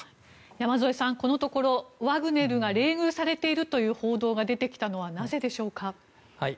山添さん、このところワグネルが冷遇されているという報道が出てきたのはなぜでしょうか。